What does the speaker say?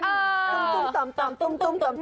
ตุ้มตุ้มตำตอนตุกตุ้มตอน